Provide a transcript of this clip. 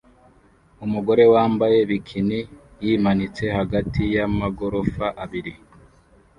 Umugore wambaye bikini yimanitse hagati yamagorofa abiri